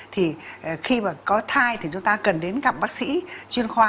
thì khi mà có thai thì chúng ta cần đến gặp bác sĩ chuyên khoa